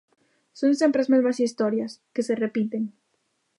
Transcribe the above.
Son sempre as mesmas historias, que se repiten.